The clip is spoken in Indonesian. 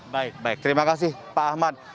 baik baik terima kasih pak ahmad